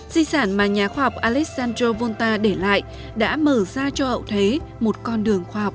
di sản mà nhà khoa học alessandro volta để lại đã mở ra cho ậu thế một con đường khoa học